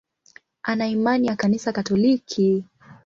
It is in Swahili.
Ana imani ya Kanisa Katoliki.